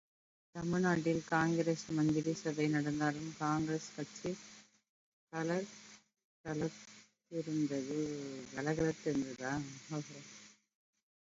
தமிழ் நாட்டில் காங்கிரஸ் மந்திரிசபை நடந்தாலும் காங்கிரஸ் கட்சி கலகலத்திருந்தது.